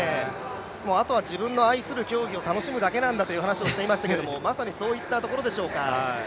あとは自分の愛する競技を楽しむだけなんだと話していましたがまさにそういったところでしょうか。